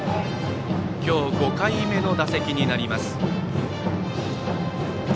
今日、５回目の打席になります。